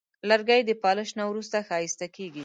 لرګی د پالش نه وروسته ښایسته کېږي.